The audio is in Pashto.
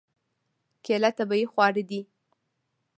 کېله طبیعي خواړه ده.